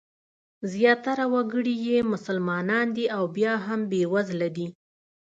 زیاتره وګړي یې مسلمانان دي او بیا هم بېوزله دي.